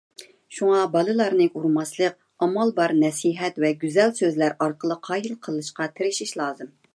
شۇڭا بالىلارنى ئۇرماسلىق، ئامال بار نەسىھەت ۋە گۈزەل سۆزلەر ئارقىلىق قايىل قىلىشقا تىرىشىش لازىم.